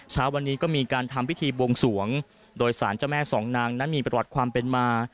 เช้าวันนี้ก็มีการทำพิธีบวงสวงโดยสารเจ้าแม่สองนางนั้นมีประวัติความเป็นมา